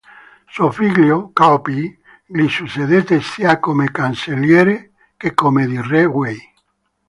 Suo figlio, Cao Pi, gli succedette sia come cancelliere che come re di Wei.